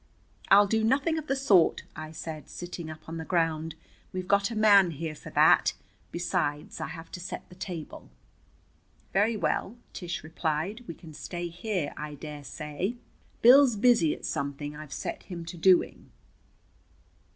"I'll do nothing of the sort," I said, sitting up on the ground. "We've got a man here for that. Besides, I have to set the table." "Very well," Tish replied, "we can stay here, I dare say. Bill's busy at something I've set him to doing."